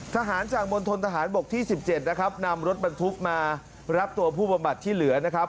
ทหารจากมณฑนทหารบกที่๑๗นะครับนำรถบรรทุกมารับตัวผู้บำบัดที่เหลือนะครับ